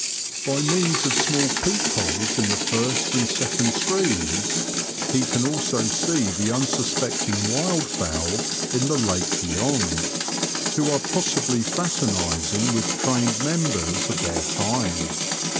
By means of small peep holes in the first and second screens he can also see the unsuspecting wild fowl in the lake beyond, who are possibly fraternising with trained members of their kind.